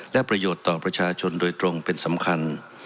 และประโยชน์ต่อประชาชนโดยตรงเป็นสำคัญ